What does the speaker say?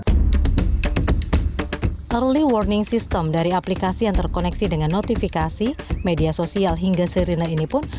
early warning system dari aplikasi yang terkoneksi dengan notifikasi media sosial hingga sirine ini pun